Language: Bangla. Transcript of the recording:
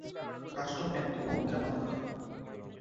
কাস্টম একটি ভূমিকা পালন করে।